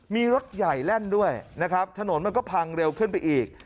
มีรถใหญ่แล่นด้วยนะครับถนนมันก็พังเร็วขึ้นไปอีก